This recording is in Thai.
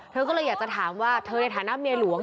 เธอก็เลยอยากจะถามว่าเธอในฐานะเมียหลวง